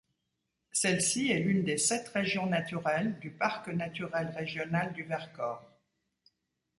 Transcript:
Celle-ci est l'une des sept régions naturelles du Parc naturel régional du Vercors.